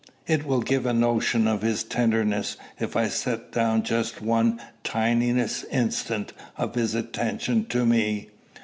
It will give a notion of his tenderness if I set down just one tiniest instance of his attention to me.